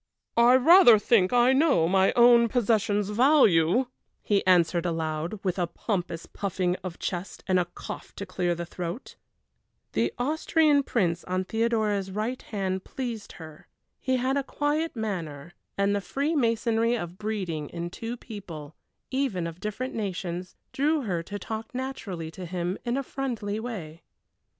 "I rather think I know my own possession's value!" he answered aloud, with a pompous puffing out of chest, and a cough to clear the throat. The Austrian Prince on Theodora's right hand pleased her. He had a quiet manner, and the freemasonry of breeding in two people, even of different nations, drew her to talk naturally to him in a friendly way.